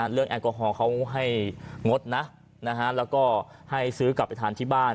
แอลกอฮอลเขาให้งดนะแล้วก็ให้ซื้อกลับไปทานที่บ้าน